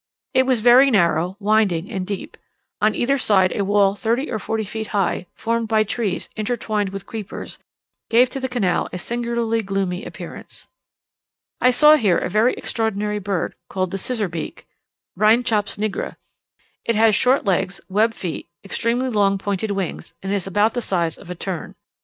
It was very narrow, winding, and deep; on each side a wall thirty or forty feet high, formed by trees intwined with creepers, gave to the canal a singularly gloomy appearance. I here saw a very extraordinary bird, called the Scissor beak (Rhynchops nigra). It has short legs, web feet, extremely long pointed wings, and is of about the size of a tern.